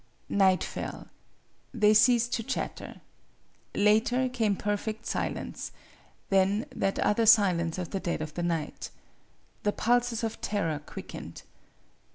Night fell. They ceased to chatter. Later came perfect silence ; then that other silence of the dead of the night. The pulses of terror quickened.